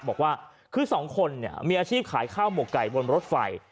บอกว่าคือสองคนเนี่ยมีอาชีพขายข้าวหมกไก่บนรถไฟ